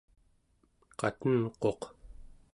qatenquq